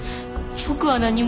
僕は何も。